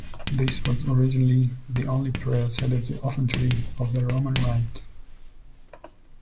This was originally the only prayer said at the offertory of the Roman Rite.